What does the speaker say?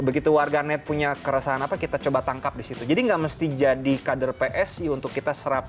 berita terkini dari kpum